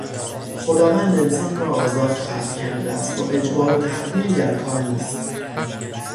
خداوند انسان را آزاد خلق کرده است و اجبار و تقدیری در کار نیست.